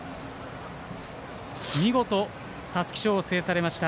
見事皐月賞を制されました